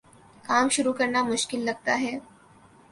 کام شروع کرنا مشکل لگتا ہے